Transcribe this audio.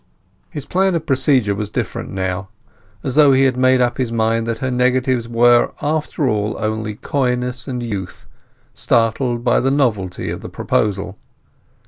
His plan of procedure was different now—as though he had made up his mind that her negatives were, after all, only coyness and youth startled by the novelty of the proposal.